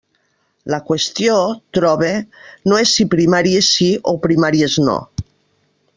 La qüestió, trobe, no és si primàries sí o primàries no.